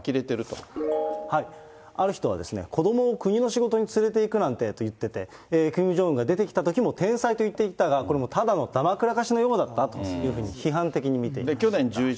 ある人は、子どもを国の仕事に連れて行くなんてと言っていて、キム・ジョンウンが出てきたときも天才と言っていたが、これもただのだまくらかしのようだったと、批判的に見ていました。